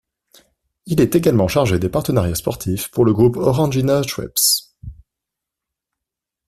Il est également chargé des partenariats sportifs pour le groupe Orangina Schweppes.